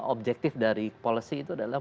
objektif dari policy itu adalah